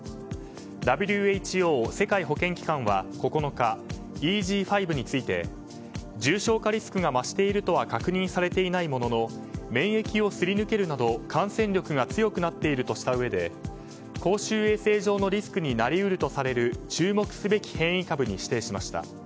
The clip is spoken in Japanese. ＷＨＯ・世界保健機関は９日ＥＧ．５について重症化リスクが増しているとは確認されていないものの免疫をすり抜けるなど感染力が強くなっているとしたうえで公衆衛生上のリスクになり得るとされる注目すべき変異株に指定しました。